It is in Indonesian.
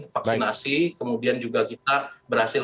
vaksinasi kemudian juga kita berhasil